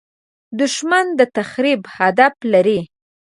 دښمن د تخریب هدف لري